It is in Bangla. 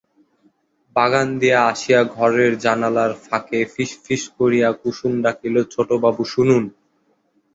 বাগান দিয়া আসিয়া ঘরের জানালার ফাঁকে ফিসফিস করিয়া কুসুম ডাকিল, ছোটবাবু শুনুন।